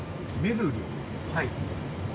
はい。